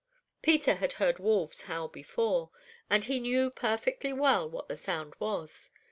Peter had heard wolves howl before, and he knew perfectly well what the sound was.